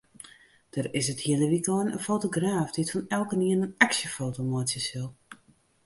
Der is it hiele wykein in fotograaf dy't fan elkenien in aksjefoto meitsje sil.